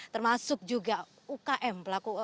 termasuk juga ukm